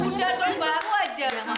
udah dong baru aja